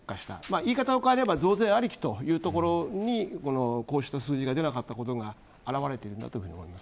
言い方を変えると増税ありきというところにこうした数字が出なかったことが現れていると思います。